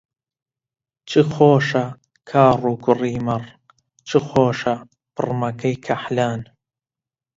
چ خۆشە کاڕ و کووڕی مەڕ، چ خۆشە پڕمەکەی کەحلان